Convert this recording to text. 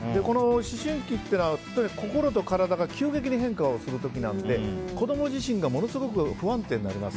思春期というのは心と体が急激に変化するときなので子供自身がものすごく不安定になります。